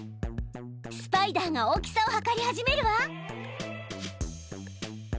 スパイダーが大きさをはかり始めるわ。